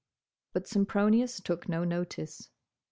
but Sempronius took no notice.